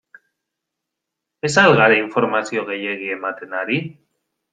Ez al gara informazio gehiegi ematen ari?